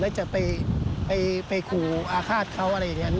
แล้วจะไปขู่อาฆาตเขาอะไรอย่างนี้